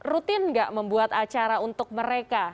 rutin nggak membuat acara untuk mereka